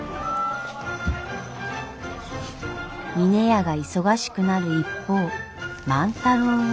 峰屋が忙しくなる一方万太郎は。